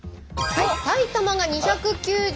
埼玉が２９０